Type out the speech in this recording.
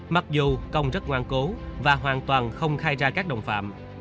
mặc dù công rất ngoan cố và hoàn toàn không khai ra các đồng phạm